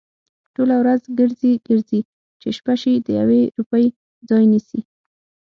ټوله ورځ گرځي، گرځي؛ چې شپه شي د يوې روپۍ ځای نيسي؟